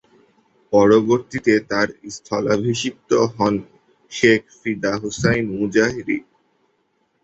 পরবর্তিতে তার স্থলাভিষিক্ত হন শেখ ফিদা হুসাইন মুজাহিরি।